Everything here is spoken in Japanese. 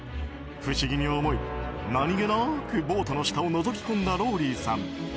不思議に思い、何気なくボートの下をのぞき込んだローリーさん。